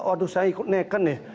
oh aduh saya ikut neken nih